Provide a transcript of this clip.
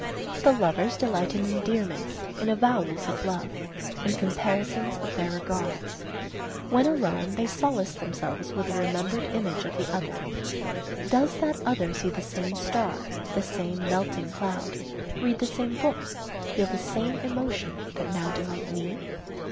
The lovers delight in endearments, in avowals of love, in comparisons of their regards. When alone, they solace themselves with the remembered image of the other. Does that other see the same star, the same melting cloud, read the same book, feel the same emotion, that now delight me?